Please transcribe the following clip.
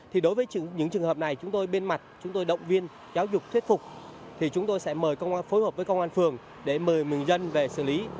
thì đối với những trường hợp này chúng tôi bên mặt chúng tôi động viên giáo dục thuyết phục thì chúng tôi sẽ mời phối hợp với công an phường để mời người dân về xử lý